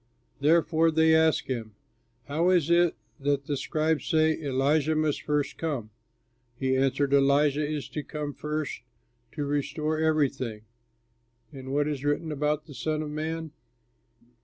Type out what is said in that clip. Therefore they asked him, "How is it that the scribes say, 'Elijah must first come'?" He answered, "Elijah is to come first to restore everything. And what is written about the Son of Man?